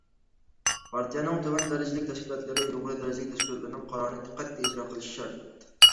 پارتىيەنىڭ تۆۋەن دەرىجىلىك تەشكىلاتلىرى يۇقىرى دەرىجىلىك تەشكىلاتلىرىنىڭ قارارىنى قەتئىي ئىجرا قىلىشى شەرت.